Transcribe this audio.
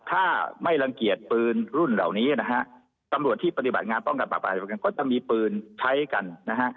ถ้าไม่รังเกียจปืนรุ่นเหล่านี้นะฮะตำรวจที่ปฏิบัติงานป้องกันปรับปรามก็ต้องมีปืนใช้กันนะฮะ